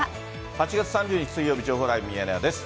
８月３０日水曜日、情報ライブミヤネ屋です。